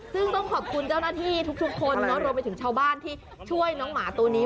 ซึ่งต้องขอบคุณเจ้าหน้าที่ทุกคนรวมไปถึงชาวบ้านที่ช่วยน้องหมาตัวนี้